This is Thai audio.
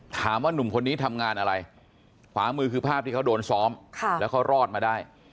นุ่มคนนี้ทำงานอะไรขวามือคือภาพที่เขาโดนซ้อมแล้วเขารอดมาได้